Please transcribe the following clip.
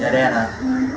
với đặc điểm từ an ninh